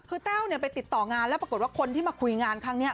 คือแต้วไปติดต่องานแล้วปรากฏว่าคนที่มาคุยงานครั้งนี้